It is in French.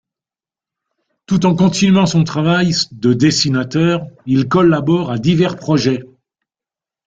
Tout en continuant son travail de dessinateur, il collabore à divers projets.